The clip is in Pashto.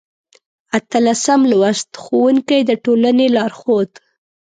اتلسم لوست: ښوونکی د ټولنې لارښود